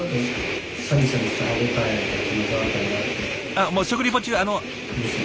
あっもう食リポ中あの。